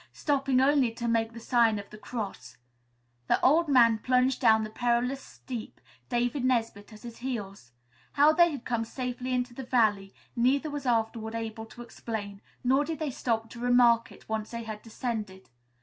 Stopping only to make the sign of the cross, the old man plunged down the perilous steep, David Nesbit at his heels. How they had come safely into the valley, neither was afterward able to explain, nor did they stop to remark it, once they had descended.